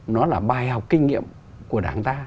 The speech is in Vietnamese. nó là bài học kinh nghiệm của đảng ta